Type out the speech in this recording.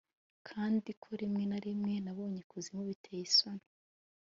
Kandi ko rimwe na rimwe nabonye ikuzimu biteye isoni